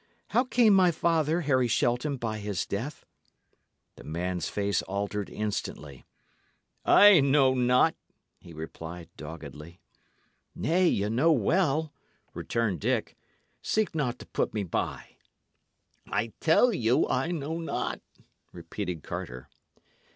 How came my father, Harry Shelton, by his death?" The man's face altered instantly. "I know not," he replied, doggedly. "Nay, ye know well," returned Dick. "Seek not to put me by." "I tell you I know not," repeated Carter.